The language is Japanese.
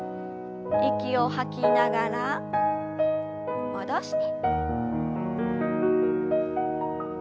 息を吐きながら戻して。